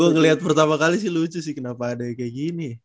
gue ngeliat pertama kali sih lucu sih kenapa ada yang kayak gini